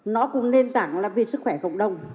nó cũng lên tảng là vì sức khỏe cộng đồng